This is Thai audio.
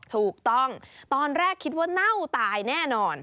ถูกต้องตอนแรกคิดว่าเน่าตายแน่นอน